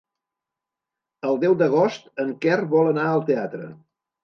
El deu d'agost en Quer vol anar al teatre.